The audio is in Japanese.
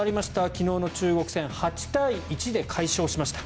昨日の中国戦８対１で快勝しました。